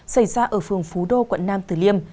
xảy ra ở phường phú đô quận nam tử liêm